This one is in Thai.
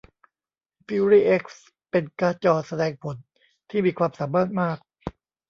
ฟิวรี่เอ็กซ์เป็นการ์ดจอแสดงผลที่มีความสามารถมาก